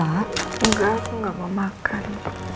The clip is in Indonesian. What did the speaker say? enggak aku nggak mau makan